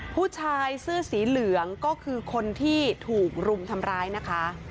ผู้ชายเสื้อสีเหลืองก็คือคนที่ถูกรุมทำร้ายนะคะ